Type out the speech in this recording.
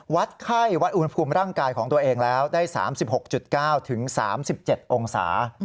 วัดไข้วัดอุณหภูมิร่างกายของตัวเองแล้วได้๓๖๙๓๗องศา